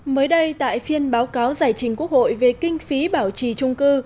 mới đây tại phiên báo cáo giải trình quốc hội về kinh phí bảo trì trung cư